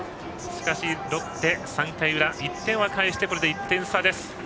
しかしロッテは３回裏、１点返してこれで１点差です。